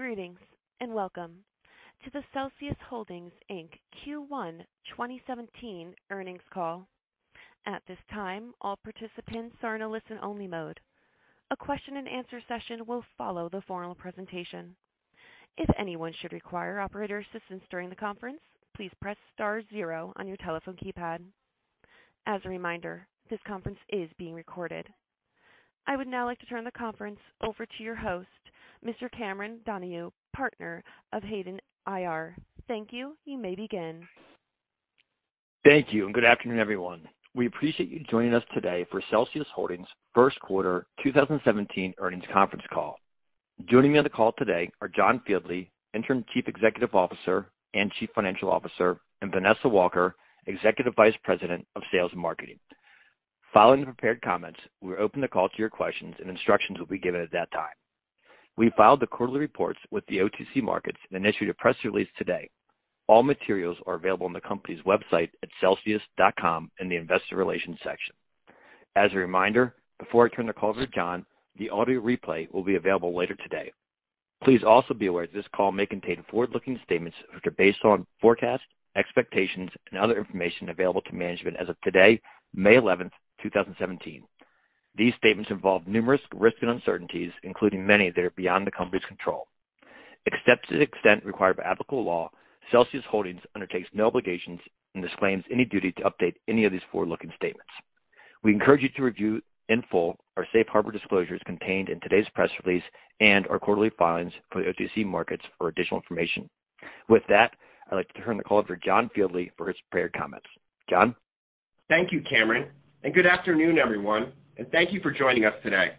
Greetings, welcome to the Celsius Holdings, Inc. Q1 2017 earnings call. At this time, all participants are in a listen-only mode. A question and answer session will follow the formal presentation. If anyone should require operator assistance during the conference, please press star zero on your telephone keypad. As a reminder, this conference is being recorded. I would now like to turn the conference over to your host, Mr. Cameron Donahue, Partner of Hayden IR. Thank you. You may begin. Thank you, good afternoon, everyone. We appreciate you joining us today for Celsius Holdings' first quarter 2017 earnings conference call. Joining me on the call today are John Fieldly, Interim Chief Executive Officer and Chief Financial Officer, and Vanessa Walker, Executive Vice President of Sales and Marketing. Following the prepared comments, we'll open the call to your questions, and instructions will be given at that time. We filed the quarterly reports with the OTC Markets and initiated a press release today. All materials are available on the company's website at celsius.com in the investor relations section. As a reminder, before I turn the call over to John, the audio replay will be available later today. Please also be aware this call may contain forward-looking statements which are based on forecasts, expectations, and other information available to management as of today, May 11th, 2017. These statements involve numerous risks and uncertainties, including many that are beyond the company's control. Except to the extent required by applicable law, Celsius Holdings undertakes no obligations and disclaims any duty to update any of these forward-looking statements. We encourage you to review in full our safe harbor disclosures contained in today's press release and our quarterly filings for the OTC Markets for additional information. With that, I'd like to turn the call over to John Fieldly for his prepared comments. John? Thank you, Cameron, good afternoon, everyone, thank you for joining us today.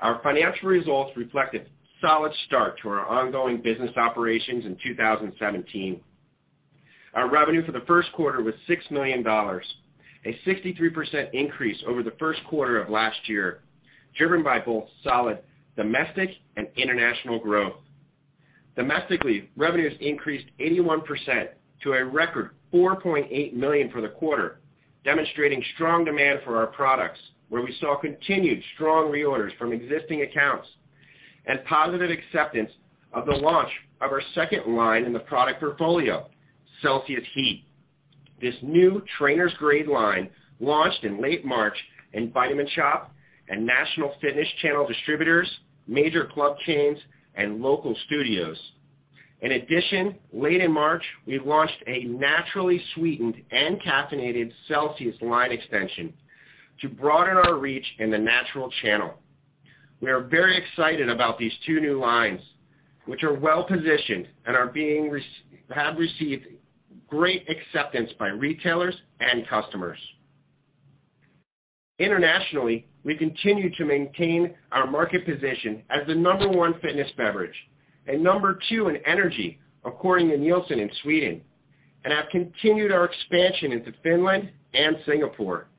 Our financial results reflect a solid start to our ongoing business operations in 2017. Our revenue for the first quarter was $6 million, a 63% increase over the first quarter of last year, driven by both solid domestic and international growth. Domestically, revenues increased 81% to a record $4.8 million for the quarter, demonstrating strong demand for our products, where we saw continued strong reorders from existing accounts and positive acceptance of the launch of our second line in the product portfolio, CELSIUS HEAT. This new trainer's grade line launched in late March in Vitamin Shoppe and National Fitness Channel distributors, major club chains, and local studios. In addition, late in March, we launched a naturally sweetened and caffeinated Celsius line extension to broaden our reach in the Natural Channel. We are very excited about these two new lines, which are well positioned and have received great acceptance by retailers and customers. Internationally, we continue to maintain our market position as the number one fitness beverage and number two in energy, according to Nielsen in Sweden, and have continued our expansion into Finland and Singapore.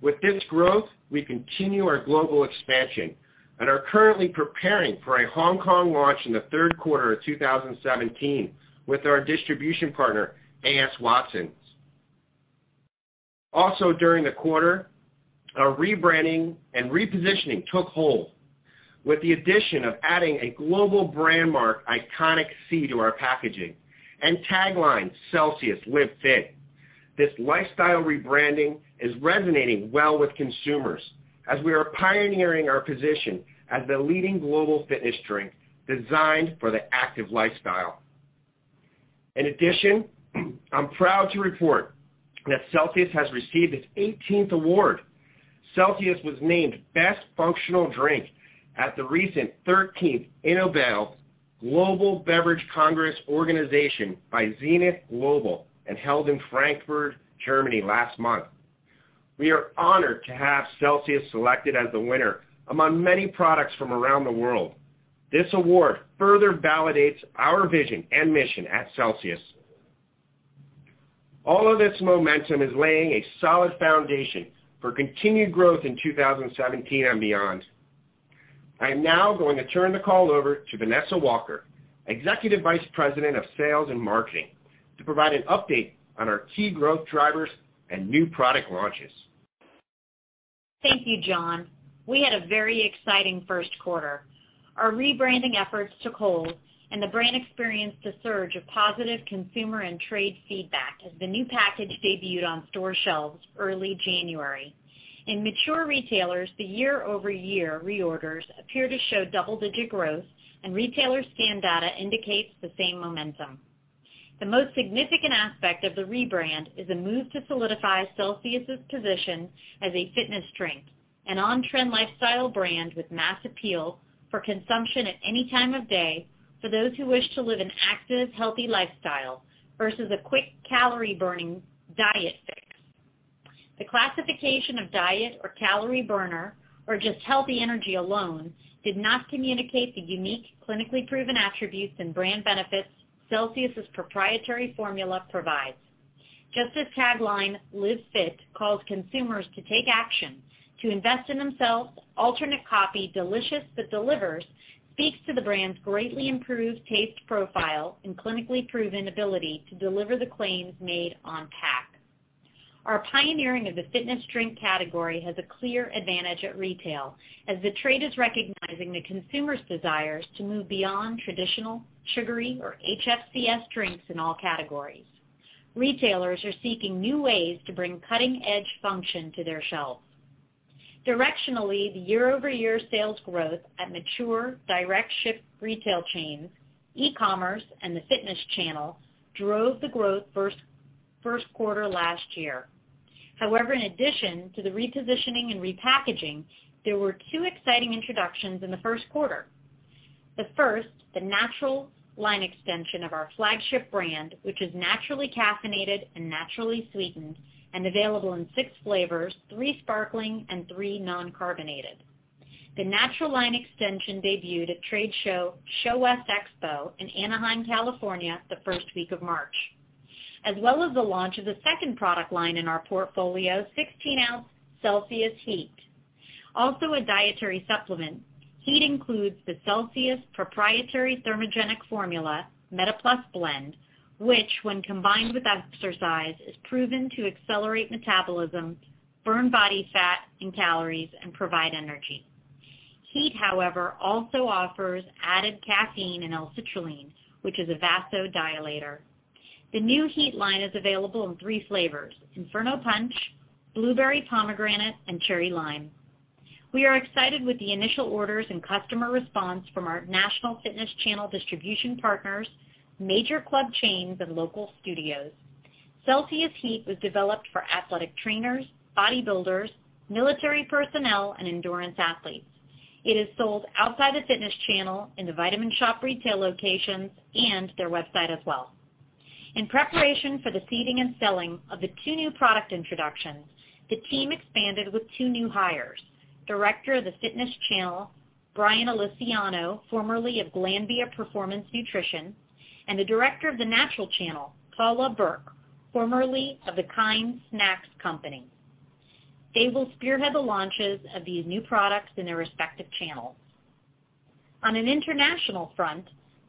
With this growth, we continue our global expansion and are currently preparing for a Hong Kong launch in the third quarter of 2017 with our distribution partner, A.S. Watson. During the quarter, our rebranding and repositioning took hold with the addition of adding a global brand mark iconic C to our packaging and tagline, "Celsius, Live Fit." This lifestyle rebranding is resonating well with consumers as we are pioneering our position as the leading global fitness drink designed for the active lifestyle. I'm proud to report that Celsius has received its 18th award. Celsius was named Best Functional Drink at the recent 13th Global Beverage Congress organization by Zenith Global and held in Frankfurt, Germany last month. We are honored to have Celsius selected as the winner among many products from around the world. This award further validates our vision and mission at Celsius. All of this momentum is laying a solid foundation for continued growth in 2017 and beyond. I am now going to turn the call over to Vanessa Walker, Executive Vice President of Sales and Marketing, to provide an update on our key growth drivers and new product launches. Thank you, John. We had a very exciting first quarter. Our rebranding efforts took hold, and the brand experienced a surge of positive consumer and trade feedback as the new package debuted on store shelves early January. In mature retailers, the year-over-year reorders appear to show double-digit growth, and retailer scan data indicates the same momentum. The most significant aspect of the rebrand is a move to solidify Celsius' position as a fitness drink, an on-trend lifestyle brand with mass appeal for consumption at any time of day for those who wish to live an active, healthy lifestyle versus a quick calorie burning diet fix. The classification of diet or calorie burner, or just healthy energy alone, did not communicate the unique, clinically proven attributes and brand benefits Celsius' proprietary formula provides. The tagline "Live Fit" calls consumers to take action to invest in themselves, alternate copy "Delicious that Delivers" speaks to the brand's greatly improved taste profile and clinically proven ability to deliver the claims made on pack. Our pioneering of the fitness drink category has a clear advantage at retail, as the trade is recognizing the consumer's desires to move beyond traditional sugary or HFCS drinks in all categories. Retailers are seeking new ways to bring cutting-edge function to their shelves. Directionally, the year-over-year sales growth at mature, direct ship retail chains, e-commerce, and the fitness channel drove the growth first quarter last year. In addition to the repositioning and repackaging, there were 2 exciting introductions in the first quarter. The first, the natural line extension of our flagship brand, which is naturally caffeinated and naturally sweetened and available in 6 flavors, 3 sparkling and 3 non-carbonated. The natural line extension debuted at trade show, Natural Products Expo West in Anaheim, California, the first week of March. As well as the launch of the second product line in our portfolio, 16-ounce CELSIUS HEAT. Also a dietary supplement, Heat includes the Celsius proprietary thermogenic formula, MetaPlus Blend, which when combined with exercise, is proven to accelerate metabolism, burn body fat and calories, and provide energy. Heat, however, also offers added caffeine and L-citrulline, which is a vasodilator. The new Heat line is available in three flavors: Inferno Punch, Blueberry Pomegranate, and Cherry Lime. We are excited with the initial orders and customer response from our national fitness channel distribution partners, major club chains, and local studios. CELSIUS HEAT was developed for athletic trainers, bodybuilders, military personnel, and endurance athletes. It is sold outside the fitness channel in The Vitamin Shoppe retail locations and their website as well. In preparation for the seeding and selling of the two new product introductions, the team expanded with two new hires. Director of the fitness channel, Bryan Alesiano, formerly of Glanbia Performance Nutrition, and the director of the natural channel, Paula Burke, formerly of the KIND Snacks company. They will spearhead the launches of these new products in their respective channels. On an international front,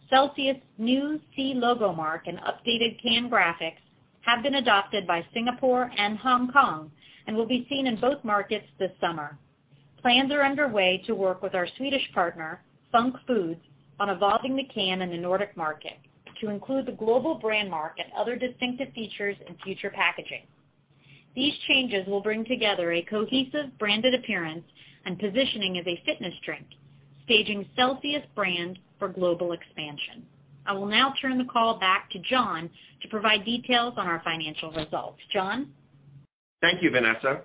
Celsius' new C logo mark and updated can graphics have been adopted by Singapore and Hong Kong and will be seen in both markets this summer. Plans are underway to work with our Swedish partner, Func Food, on evolving the can in the Nordic market to include the global brand mark and other distinctive features in future packaging. These changes will bring together a cohesive branded appearance and positioning as a fitness drink, staging Celsius brand for global expansion. I will now turn the call back to John to provide details on our financial results. John? Thank you, Vanessa.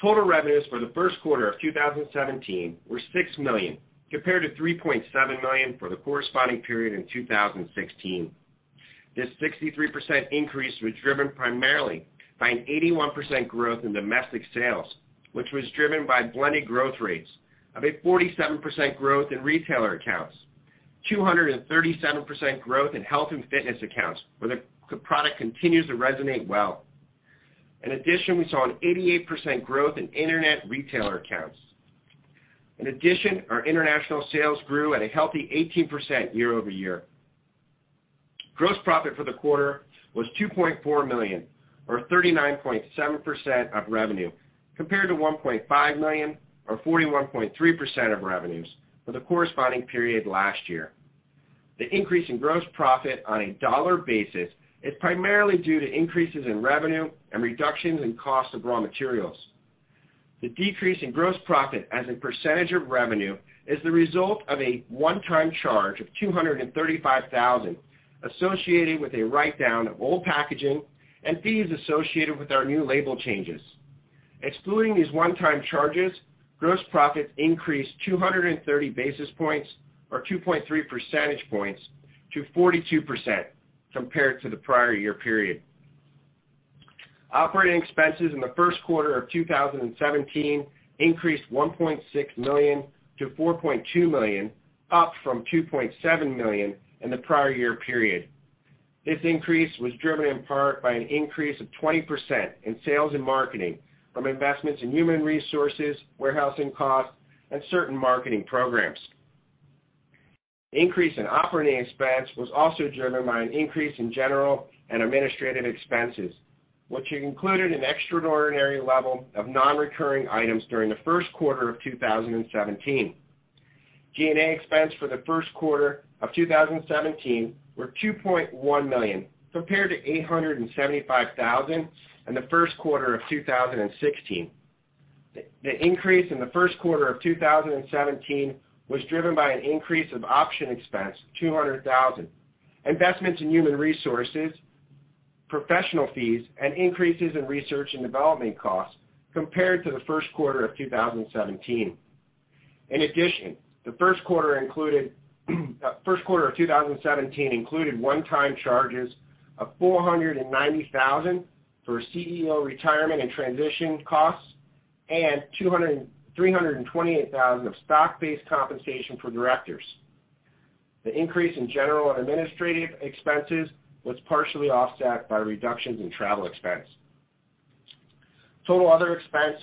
Total revenues for the first quarter of 2017 were $6 million compared to $3.7 million for the corresponding period in 2016. This 63% increase was driven primarily by an 81% growth in domestic sales, which was driven by blended growth rates of a 47% growth in retailer accounts, 237% growth in health and fitness accounts, where the product continues to resonate well. In addition, we saw an 88% growth in internet retailer accounts. In addition, our international sales grew at a healthy 18% year-over-year. Gross profit for the quarter was $2.4 million, or 39.7% of revenue, compared to $1.5 million, or 41.3% of revenues for the corresponding period last year. The increase in gross profit on a dollar basis is primarily due to increases in revenue and reductions in cost of raw materials. The decrease in gross profit as a percentage of revenue is the result of a one-time charge of $235,000 associated with a write-down of old packaging and fees associated with our new label changes. Excluding these one-time charges, gross profit increased 230 basis points or 2.3 percentage points to 42% compared to the prior year period. Operating expenses in the first quarter of 2017 increased $1.6 million to $4.2 million, up from $2.7 million in the prior year period. This increase was driven in part by an increase of 20% in sales and marketing from investments in human resources, warehousing costs, and certain marketing programs. Increase in operating expense was also driven by an increase in general and administrative expenses, which included an extraordinary level of non-recurring items during the first quarter of 2017. G&A expense for the first quarter of 2017 were $2.1 million compared to $875,000 in the first quarter of 2016. The increase in the first quarter of 2017 was driven by an increase of option expense, $200,000, investments in human resources, professional fees, and increases in research and development costs compared to the first quarter of 2017. In addition, the first quarter of 2017 included one-time charges of $490,000 for CEO retirement and transition costs and $328,000 of stock-based compensation for directors. The increase in general and administrative expenses was partially offset by reductions in travel expense. Total other expense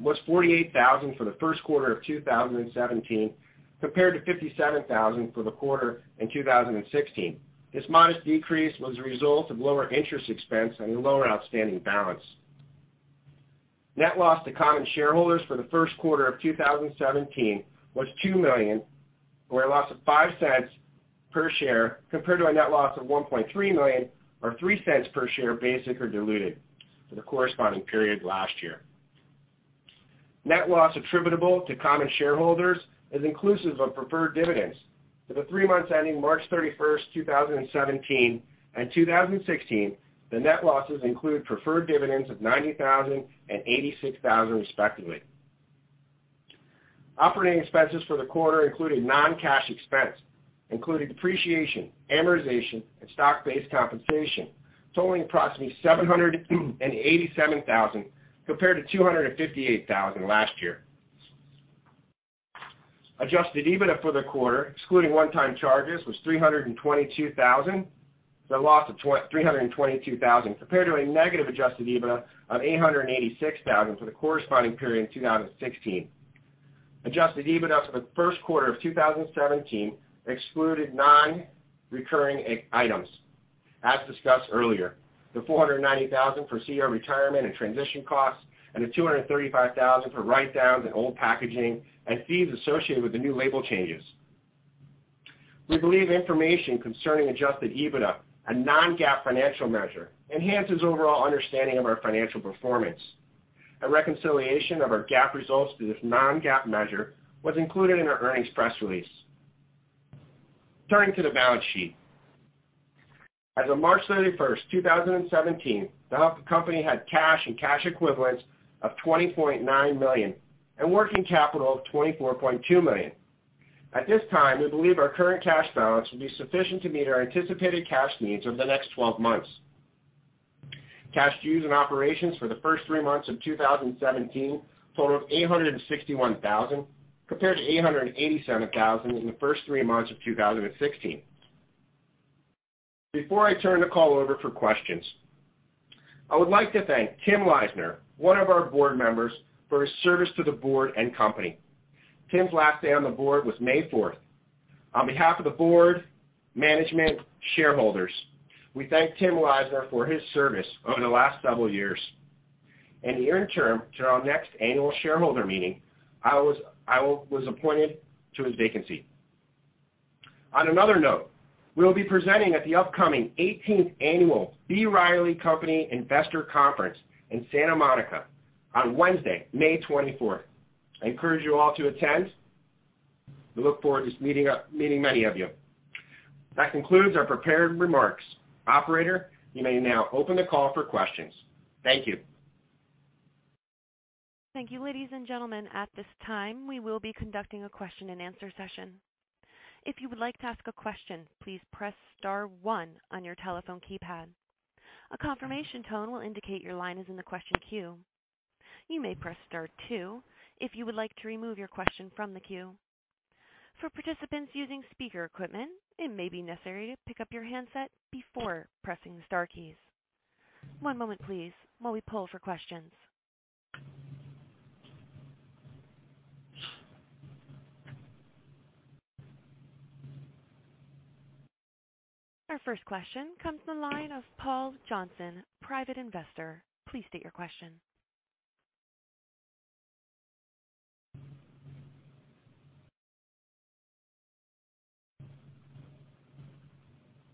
was $48,000 for the first quarter of 2017, compared to $57,000 for the quarter in 2016. This modest decrease was a result of lower interest expense and a lower outstanding balance. Net loss to common shareholders for the first quarter of 2017 was $2 million, or a loss of $0.05 per share, compared to a net loss of $1.3 million, or $0.03 per share, basic or diluted, for the corresponding period last year. Net loss attributable to common shareholders is inclusive of preferred dividends. For the three months ending March 31st, 2017 and 2016, the net losses include preferred dividends of $90,000 and $86,000 respectively. Operating expenses for the quarter included non-cash expense, including depreciation, amortization, and stock-based compensation, totaling approximately $787,000 compared to $258,000 last year. Adjusted EBITDA for the quarter, excluding one-time charges, was $322,000, compared to a negative adjusted EBITDA of $886,000 for the corresponding period in 2016. Adjusted EBITDA for the first quarter of 2017 excluded non-recurring items as discussed earlier. The $490,000 for CEO retirement and transition costs and the $235,000 for write-downs and old packaging and fees associated with the new label changes. We believe information concerning adjusted EBITDA, a non-GAAP financial measure, enhances overall understanding of our financial performance. A reconciliation of our GAAP results to this non-GAAP measure was included in our earnings press release. Turning to the balance sheet. As of March 31st, 2017, the company had cash and cash equivalents of $20.9 million and working capital of $24.2 million. At this time, we believe our current cash balance will be sufficient to meet our anticipated cash needs over the next 12 months. Cash used in operations for the first three months of 2017 totaled $861,000, compared to $887,000 in the first three months of 2016. Before I turn the call over for questions, I would like to thank Tim Leissner, one of our board members, for his service to the board and company. Tim's last day on the board was May 4th. On behalf of the board, management, shareholders, we thank Tim Leissner for his service over the last several years. In the interim to our next annual shareholder meeting, I was appointed to his vacancy. On another note, we will be presenting at the upcoming 18th Annual B. Riley & Co. Investor Conference in Santa Monica on Wednesday, May 24th. I encourage you all to attend. We look forward to meeting many of you. That concludes our prepared remarks. Operator, you may now open the call for questions. Thank you. Thank you, ladies and gentlemen. At this time, we will be conducting a question and answer session. If you would like to ask a question, please press star one on your telephone keypad. A confirmation tone will indicate your line is in the question queue. You may press star two if you would like to remove your question from the queue. For participants using speaker equipment, it may be necessary to pick up your handset before pressing the star keys. One moment, please, while we poll for questions. Our first question comes from the line of Paul Johnson, private investor. Please state your question.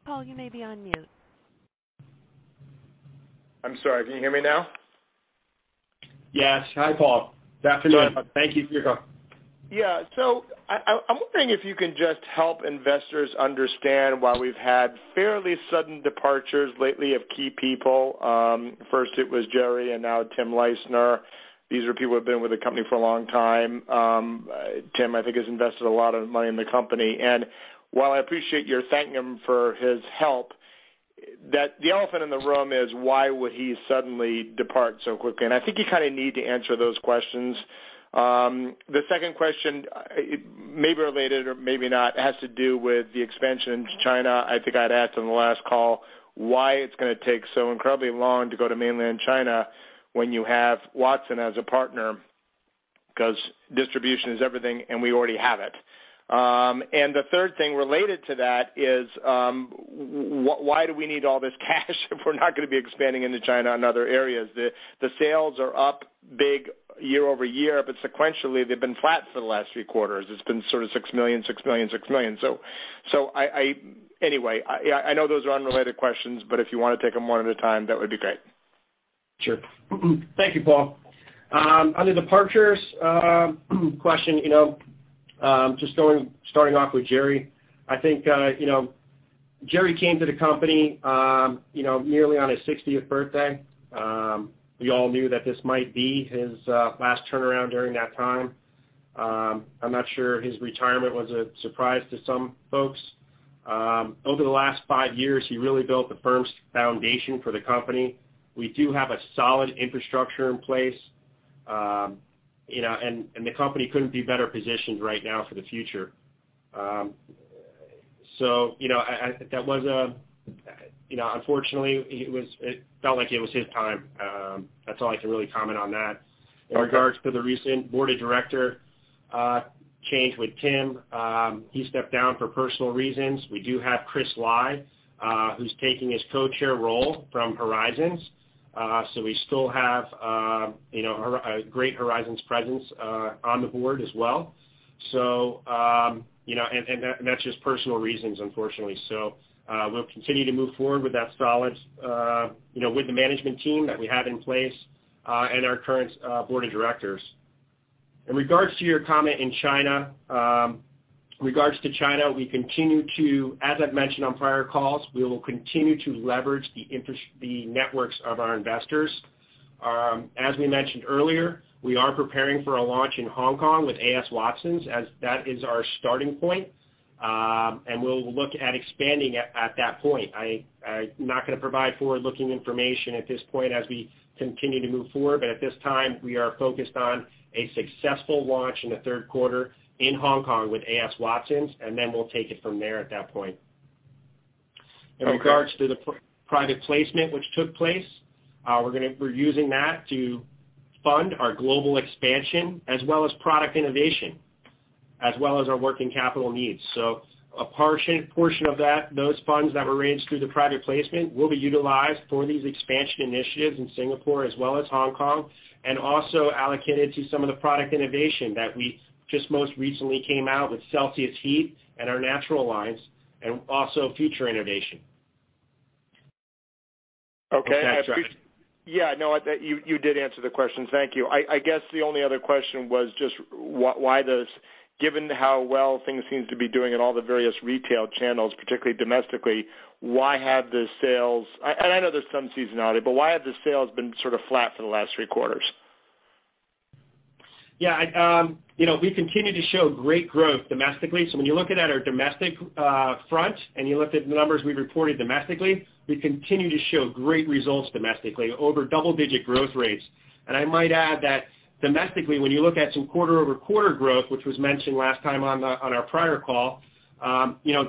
Paul, you may be on mute. I'm sorry. Can you hear me now? Yes. Hi, Paul. Good afternoon. Go ahead. Thank you for your call. I'm wondering if you can just help investors understand why we've had fairly sudden departures lately of key people. First it was Gerry and now Tim Leissner. These are people who have been with the company for a long time. Tim, I think, has invested a lot of money in the company. While I appreciate your thanking him for his help, the elephant in the room is why would he suddenly depart so quickly? I think you need to answer those questions. The second question, it may be related or maybe not, has to do with the expansion into China. I think I'd asked on the last call why it's going to take so incredibly long to go to Mainland China when you have Watson as a partner, because distribution is everything, and we already have it. The third thing related to that is, why do we need all this cash if we're not going to be expanding into China and other areas? The sales are up big year-over-year, but sequentially, they've been flat for the last three quarters. It's been sort of $6 million. Anyway, I know those are unrelated questions, but if you want to take them one at a time, that would be great. Sure. Thank you, Paul. On the departures question, just starting off with Gerry. I think Gerry came to the company nearly on his 60th birthday. We all knew that this might be his last turnaround during that time. I'm not sure his retirement was a surprise to some folks. Over the last five years, he really built the firm's foundation for the company. We do have a solid infrastructure in place. The company couldn't be better positioned right now for the future. Unfortunately, it felt like it was his time. That's all I can really comment on that. In regards to the recent board of director change with Tim, he stepped down for personal reasons. We do have Chris Lai, who's taking his co-chair role from Horizon. We still have a great Horizon presence on the board as well. That's just personal reasons, unfortunately. We'll continue to move forward with the management team that we have in place, and our current board of directors. In regards to your comment in China, we continue to, as I've mentioned on prior calls, we will continue to leverage the networks of our investors. As we mentioned earlier, we are preparing for a launch in Hong Kong with A.S. Watson, as that is our starting point. We'll look at expanding at that point. I'm not going to provide forward-looking information at this point as we continue to move forward. At this time, we are focused on a successful launch in the third quarter in Hong Kong with A.S. Watson, then we'll take it from there at that point. Okay. In regards to the private placement which took place, we're using that to fund our global expansion as well as product innovation, as well as our working capital needs. A portion of those funds that were raised through the private placement will be utilized for these expansion initiatives in Singapore as well as Hong Kong, also allocated to some of the product innovation that we just most recently came out with CELSIUS HEAT and our natural lines, also future innovation. Okay. If that's right. Yeah, no, you did answer the question. Thank you. I guess the only other question was just given how well things seem to be doing in all the various retail channels, particularly domestically, why have the sales, and I know there's some seasonality, but why have the sales been sort of flat for the last three quarters? Yeah. We continue to show great growth domestically. When you're looking at our domestic front, and you look at the numbers we've reported domestically, we continue to show great results domestically, over double-digit growth rates. I might add that domestically, when you look at some quarter-over-quarter growth, which was mentioned last time on our prior call,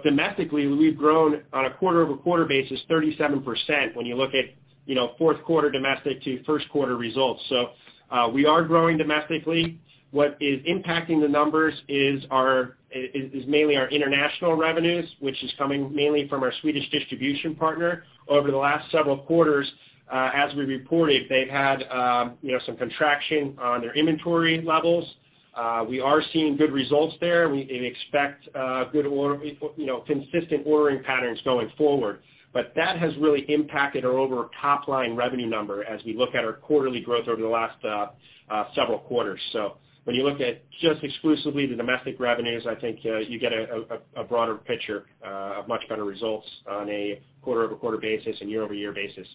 domestically, we've grown on a quarter-over-quarter basis 37% when you look at fourth quarter domestic to first quarter results. We are growing domestically. What is impacting the numbers is mainly our international revenues, which is coming mainly from our Swedish distribution partner. Over the last several quarters, as we reported, they've had some contraction on their inventory levels. We are seeing good results there, and we expect consistent ordering patterns going forward. That has really impacted our overall top-line revenue number as we look at our quarterly growth over the last several quarters. When you look at just exclusively the domestic revenues, I think you get a broader picture of much better results on a quarter-over-quarter basis and year-over-year basis.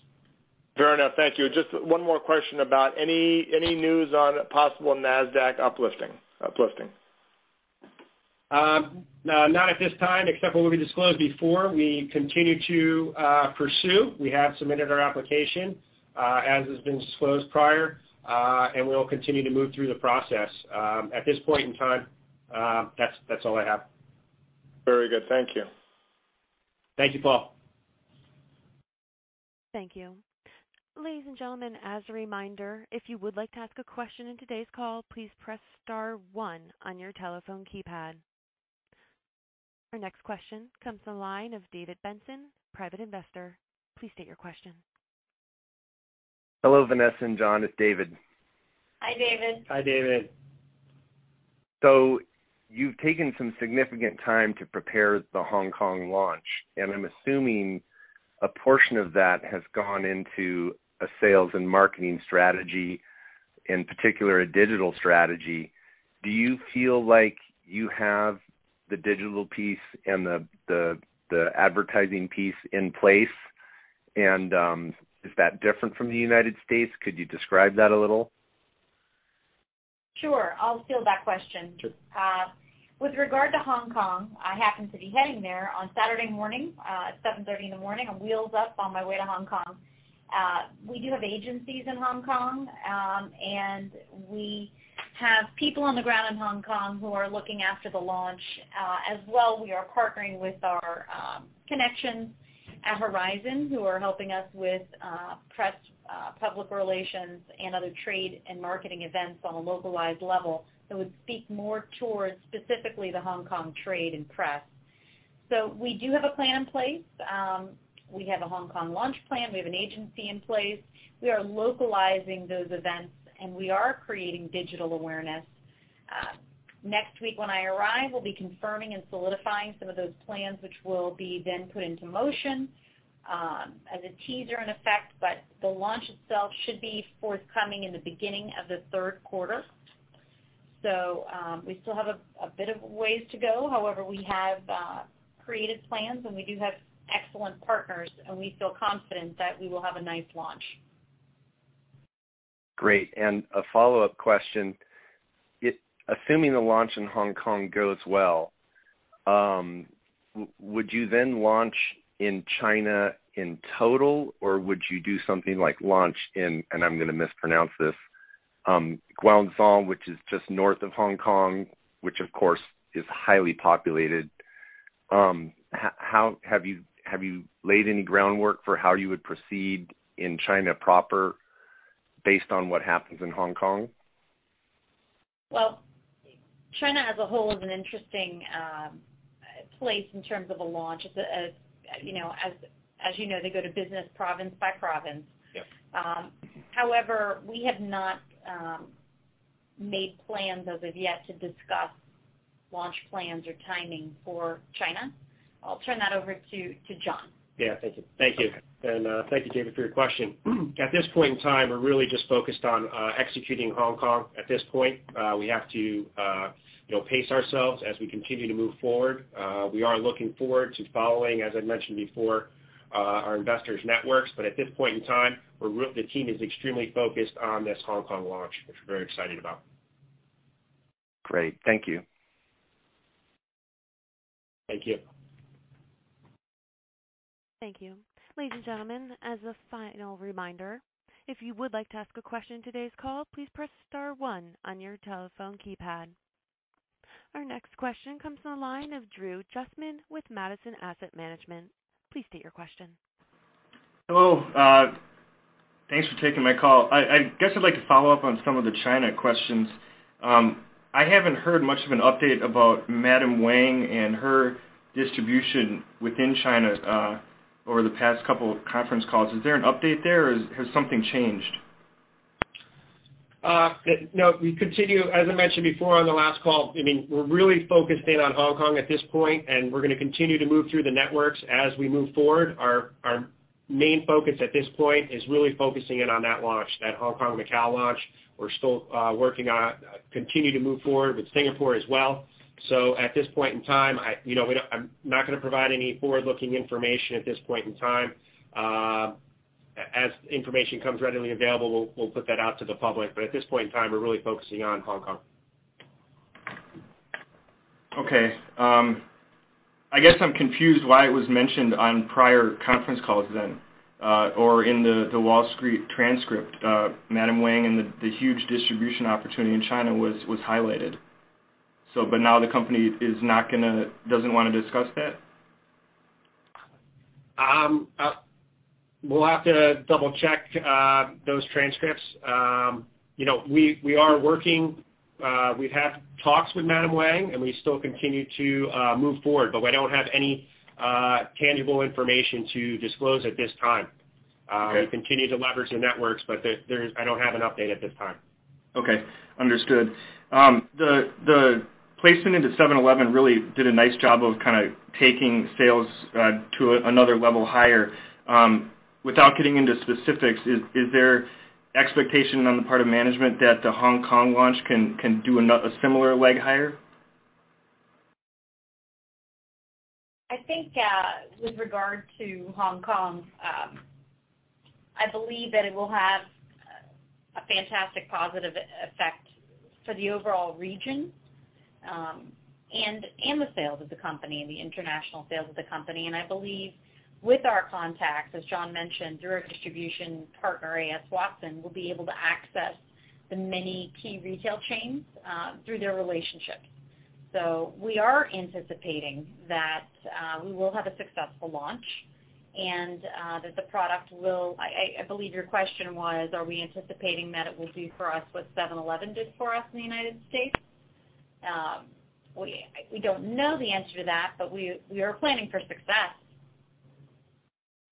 Fair enough. Thank you. Just one more question about any news on possible NASDAQ uplifting? Not at this time, except for what we disclosed before. We continue to pursue. We have submitted our application, as has been disclosed prior. We will continue to move through the process. At this point in time, that's all I have. Very good. Thank you. Thank you, Paul. Thank you. Ladies and gentlemen, as a reminder, if you would like to ask a question in today's call, please press star one on your telephone keypad. Our next question comes from the line of David Benson, private investor. Please state your question. Hello, Vanessa and John. It's David. Hi, David. Hi, David. You've taken some significant time to prepare the Hong Kong launch, and I'm assuming a portion of that has gone into a sales and marketing strategy, in particular, a digital strategy. Do you feel like you have the digital piece and the advertising piece in place? Is that different from the U.S.? Could you describe that a little? Sure. I'll field that question. Sure. With regard to Hong Kong, I happen to be heading there on Saturday morning, at 7:30 A.M. I'm wheels up on my way to Hong Kong. We do have agencies in Hong Kong. We have people on the ground in Hong Kong who are looking after the launch. As well, we are partnering with our connections at Horizon who are helping us with press, public relations, and other trade and marketing events on a localized level that would speak more towards specifically the Hong Kong trade and press. We do have a plan in place. We have a Hong Kong launch plan. We have an agency in place. We are localizing those events, and we are creating digital awareness. Next week when I arrive, we'll be confirming and solidifying some of those plans, which will be then put into motion as a teaser in effect. The launch itself should be forthcoming in the beginning of the third quarter. We still have a bit of ways to go. However, we have creative plans, and we do have excellent partners, and we feel confident that we will have a nice launch. A follow-up question. Assuming the launch in Hong Kong goes well, would you then launch in China in total, or would you do something like launch in, and I'm going to mispronounce this Guangdong, which is just north of Hong Kong, which of course, is highly populated. Have you laid any groundwork for how you would proceed in China proper based on what happens in Hong Kong? Well, China as a whole is an interesting place in terms of a launch. As you know, they go to business province by province. Yes. However, we have not made plans as of yet to discuss launch plans or timing for China. I'll turn that over to John. Yeah. Thank you. Okay. Thank you, David, for your question. At this point in time, we're really just focused on executing Hong Kong at this point. We have to pace ourselves as we continue to move forward. We are looking forward to following, as I mentioned before, our investors networks. At this point in time, the team is extremely focused on this Hong Kong launch, which we're very excited about. Great. Thank you. Thank you. Thank you. Ladies and gentlemen, as a final reminder, if you would like to ask a question on today's call, please press star one on your telephone keypad. Our next question comes from the line of Drew Justman with Madison Asset Management. Please state your question. Hello. Thanks for taking my call. I guess I'd like to follow up on some of the China questions. I haven't heard much of an update about Wang Rui and her distribution within China over the past couple of conference calls. Is there an update there, or has something changed? As I mentioned before on the last call, we're really focusing on Hong Kong at this point, and we're going to continue to move through the networks as we move forward. Our main focus at this point is really focusing in on that launch, that Hong Kong Macau launch. We're still working on continuing to move forward with Singapore as well. At this point in time, I'm not going to provide any forward-looking information at this point in time. As information comes readily available, we'll put that out to the public. At this point in time, we're really focusing on Hong Kong. I guess I'm confused why it was mentioned on prior conference calls then or in The Wall Street Transcript. Madam Wang and the huge distribution opportunity in China was highlighted. Now the company doesn't want to discuss that? We'll have to double-check those transcripts. We have talks with Wang Rui, and we still continue to move forward, but I don't have any tangible information to disclose at this time. Okay. We continue to leverage their networks. I don't have an update at this time. Okay. Understood. The placement into 7-Eleven really did a nice job of kind of taking sales to another level higher. Without getting into specifics, is there expectation on the part of management that the Hong Kong launch can do a similar leg higher? I think with regard to Hong Kong, I believe that it will have a fantastic positive effect for the overall region and the sales of the company, the international sales of the company. I believe with our contacts, as John mentioned, direct distribution partner A.S. Watson will be able to access the many key retail chains through their relationship. We are anticipating that we will have a successful launch and that, I believe your question was, are we anticipating that it will do for us what 7-Eleven did for us in the U.S.? We don't know the answer to that. We are planning for success.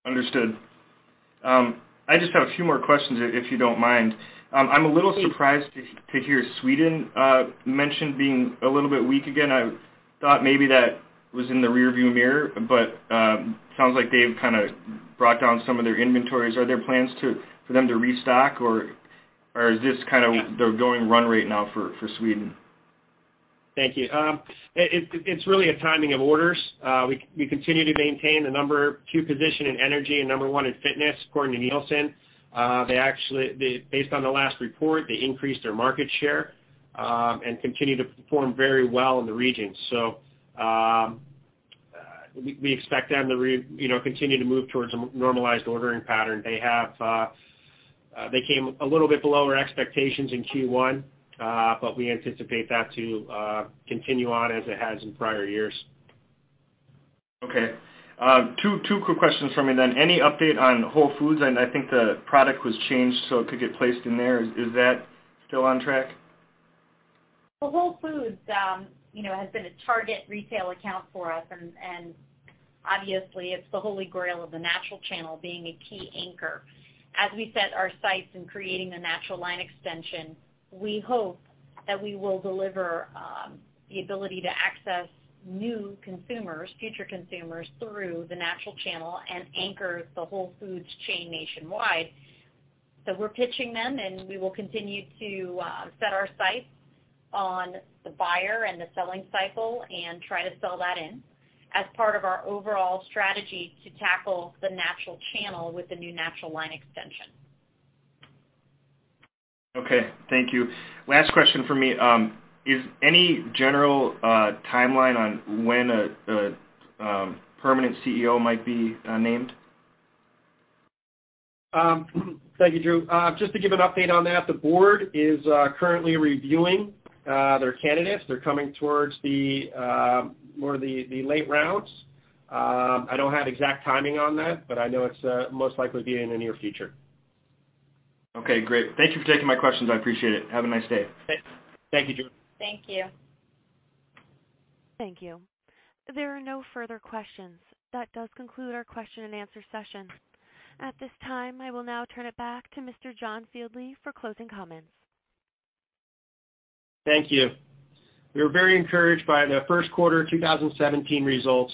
Understood. I just have a few more questions, if you don't mind. I'm a little surprised to hear Sweden mentioned being a little bit weak again. I thought maybe that was in the rear view mirror. Sounds like they've kind of brought down some of their inventories. Are there plans for them to restock, or is this kind of their going run right now for Sweden? Thank you. It's really a timing of orders. We continue to maintain the number two position in energy and the number one in fitness, according to Nielsen. Based on the last report, they increased their market share and continue to perform very well in the region. We expect them to continue to move towards a normalized ordering pattern. They came a little bit below our expectations in Q1, but we anticipate that to continue on as it has in prior years. Okay. Two quick questions for me then. Any update on Whole Foods? I think the product was changed so it could get placed in there. Is that still on track? The Whole Foods has been a target retail account for us, and obviously it's the holy grail of the natural channel being a key anchor. As we set our sights in creating the natural line extension, we hope that we will deliver the ability to access new consumers, future consumers, through the natural channel and anchor the Whole Foods chain nationwide. We're pitching them, and we will continue to set our sights on the buyer and the selling cycle and try to sell that in as part of our overall strategy to tackle the natural channel with the new natural line extension. Okay. Thank you. Last question from me. Is any general timeline on when a permanent CEO might be named? Thank you, Drew. Just to give an update on that, the board is currently reviewing their candidates. They're coming towards more of the late rounds. I don't have exact timing on that, but I know it's most likely to be in the near future. Okay, great. Thank you for taking my questions. I appreciate it. Have a nice day. Thank you, Drew. Thank you. Thank you. There are no further questions. That does conclude our question and answer session. At this time, I will now turn it back to Mr. John Fieldly for closing comments. Thank you. We are very encouraged by the first quarter 2017 results.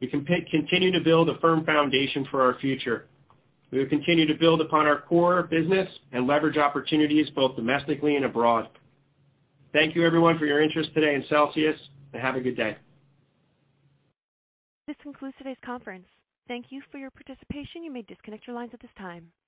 We continue to build a firm foundation for our future. We will continue to build upon our core business and leverage opportunities both domestically and abroad. Thank you everyone for your interest today in Celsius, and have a good day. This concludes today's conference. Thank you for your participation. You may disconnect your lines at this time.